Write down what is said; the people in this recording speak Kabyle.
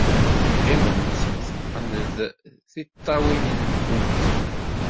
Qqimemt, teqqned tiṭṭawin-nwent.